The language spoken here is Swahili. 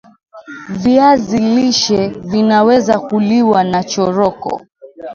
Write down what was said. viazi lishe Vinaweza kuliwa nachoroko